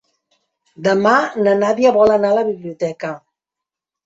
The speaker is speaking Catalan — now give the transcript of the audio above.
Demà na Nàdia vol anar a la biblioteca.